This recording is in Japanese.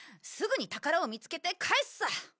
すぐに宝を見つけて返すさ！